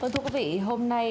thưa quý vị hôm nay